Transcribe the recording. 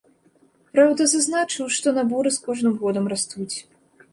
Праўда, зазначыў, што наборы з кожным годам растуць.